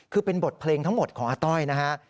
คือเป็นบทเพลงทั้งหมดของอาต้อยนะฮะ